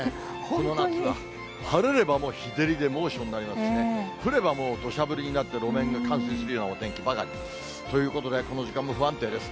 この夏は晴れればもう日照りで猛暑になりますしね、降ればもうどしゃ降りになって、路面が冠水するようなお天気ばかりということで、この時間も不安定です。